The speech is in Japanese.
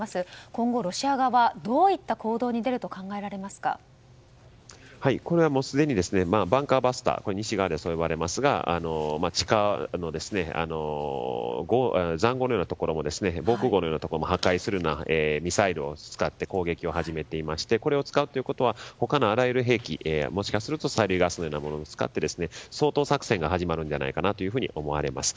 今後、ロシア側はどういった行動に出るとこれはすでにバンカーバスター西側でそう呼ばれますが地下の塹壕のような防空壕を破壊するようなミサイルを使って攻撃を始めていましてこれを使うということは他のあらゆる兵器もしかすると催涙ガスのようなものを使って掃討作戦が始まるのではないかと思われます。